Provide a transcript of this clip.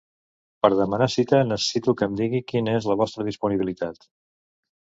Per demanar cita, necessito que em digui quina és la vostra disponibilitat.